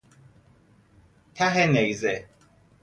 ته نیزه